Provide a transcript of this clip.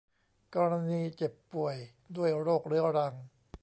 กรณีเจ็บป่วยด้วยโรคเรื้อรัง